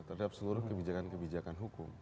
terhadap seluruh kebijakan kebijakan hukum